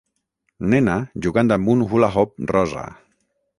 Nena jugant amb un hula hoop rosa.